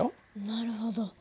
なるほど。